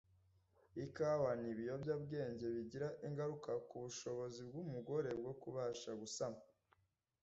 ikawa n’ibiyobyabwenge bigira ingaruka ku bushobozi bw’umugore bwo kubasha gusama